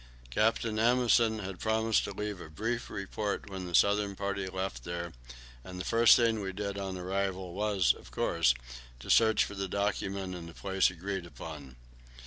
Captain Amundsen had promised to leave a brief report when the southern party left here, and the first thing we did on arrival was, of course, to search for the document in the place agreed upon.